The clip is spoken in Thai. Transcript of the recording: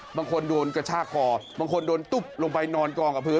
บางคนโดนกระชากคอบางคนโดนตุ๊บลงไปนอนกองกับพื้น